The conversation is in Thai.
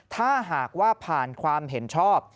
ถ้าหากว่าผ่านความเห็นชอบ